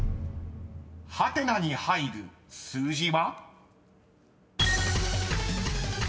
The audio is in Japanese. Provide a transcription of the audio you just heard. ［ハテナに入る数字は？］